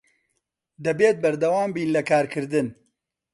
دەبێت بەردەوام بین لە کارکردن.